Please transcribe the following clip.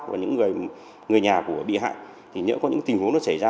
và những người nhà của bị hại thì nếu có những tình huống nó xảy ra